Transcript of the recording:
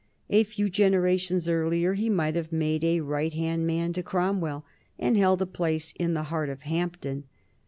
A few generations earlier he might have made a right hand man to Cromwell and held a place in the heart of Hampden.